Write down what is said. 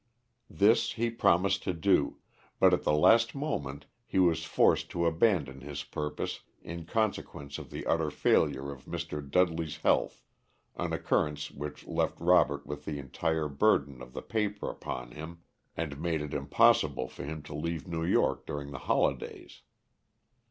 This he promised to do, but at the last moment he was forced to abandon his purpose in consequence of the utter failure of Mr. Dudley's health, an occurrence which left Robert with the entire burden of the paper upon him, and made it impossible for him to leave New York during the holidays.